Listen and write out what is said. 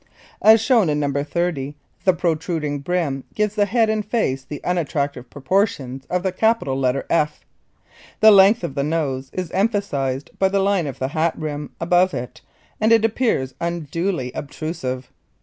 As shown in No. 30 the protruding brim gives the head and face the unattractive proportions of the capital letter "F." The length of the nose is emphasized by the line of the hat rim above it and it appears unduly obtrusive.